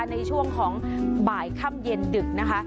ในช่วงของบ่ายค่ำเย็นดึกนะคะ